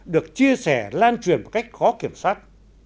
được chia sẻ lan truyền một cách khó kiểm soát